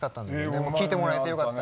でも聴いてもらえてよかった。